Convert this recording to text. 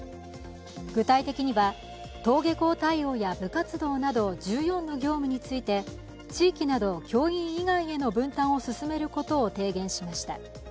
具体的には、登下校対策や部活動など１４の業務について、地域など教員以外への分担を進めることを提言しました。